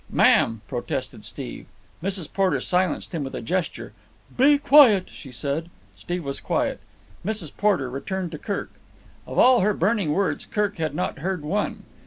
"Ma'am!" protested Steve. Mrs. Porter silenced him with a gesture. "Be quiet!" she said. Steve was quiet. Mrs. Porter returned to Kirk. Of all her burning words, Kirk had not heard one.